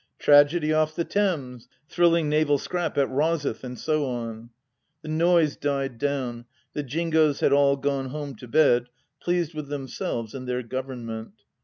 " Tragedy off the Thames I "" Thrilling naval scrap at Rosyth !" and so on. ... The noise died down, the Jingoes had all gone home to bed, pleased with themselves and their Government.